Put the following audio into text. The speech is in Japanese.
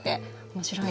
面白い。